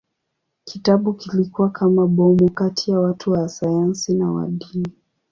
Kitabu kilikuwa kama bomu kati ya watu wa sayansi na wa dini.